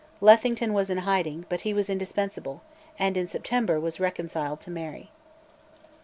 Lethington was in hiding; but he was indispensable, and in September was reconciled to Mary.